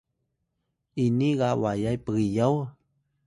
ini ga waya pgiyaw?